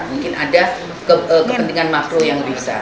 mungkin ada kepentingan makro yang lebih besar